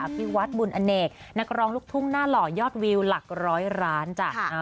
พี่วัดบุญอเนกนักร้องลูกทุ่งหน้าหล่อยอดวิวหลักร้อยล้านจ้ะ